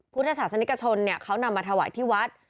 กุฎศาสนิกชนเนี่ยเขานำมาถวัยที่วัด